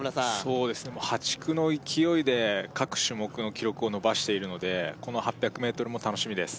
そうですねもう破竹の勢いで各種目の記録を伸ばしているのでこの８００ｍも楽しみです